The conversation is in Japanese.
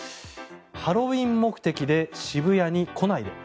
ハロウィーン目的で渋谷に来ないで。